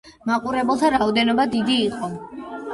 მაყურებელთა რაოდენობა დიდი იყო.